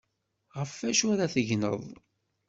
Ɣef wacu ara tegneḍ?